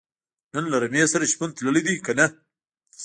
نن له رمې سره شپون تللی دی که نۀ